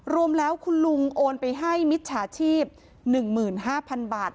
รวมแล้วคุณลุงโอนไปให้มิจฉาชีพหนึ่งหมื่นห้าพันบาท